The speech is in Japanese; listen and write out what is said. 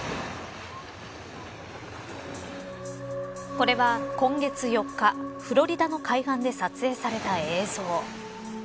これは、今月４日フロリダの海岸で撮影された映像。